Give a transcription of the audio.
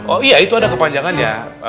oh iya itu ada kepanjangannya